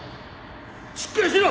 しっかりしろ！